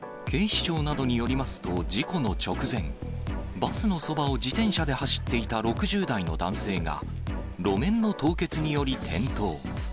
警視庁などによりますと、事故の直前、バスのそばを自転車で走っていた６０代の男性が、路面の凍結により転倒。